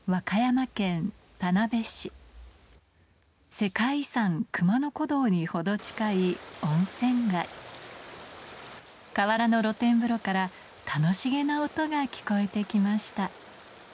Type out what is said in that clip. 世界遺産熊野古道に程近い温泉街河原の露天風呂から楽しげな音が聞こえてきました